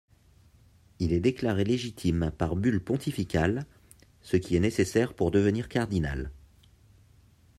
Il est déclaré légitime par bulle pontificale, ce qui est nécessaire pour devenir cardinal.